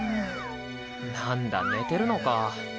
なんだ寝てるのか。